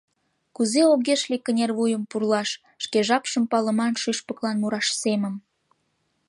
Кузе огеш лий кынервуйым пурлаш Шке жапшым палыман шӱшпыклан мураш семым.